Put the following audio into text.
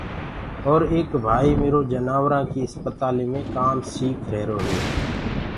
اور ايڪ ڀائيٚ ميرو جناورآنٚ ڪيٚ اِسپتاليٚ مي ڪآم سيٚک ريهرو هي۔